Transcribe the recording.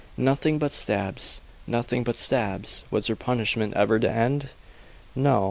Nothing but stabs; nothing but stabs! Was her punishment ever to end? No.